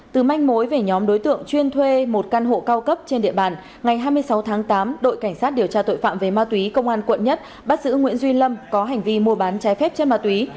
từ manh mối về nhóm đối tượng chuyên thuê một căn hộ cao cấp trên địa bàn ngày hai mươi sáu tháng tám đội cảnh sát điều tra tội phạm về ma túy công an quận một bắt giữ nguyễn duy lâm có hành vi mua bán trái phép chất ma túy